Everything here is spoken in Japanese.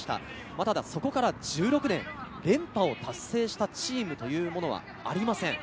そこから１６年、連覇を達成したチームはありません。